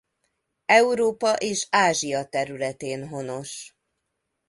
Európa és Ázsia területén honos.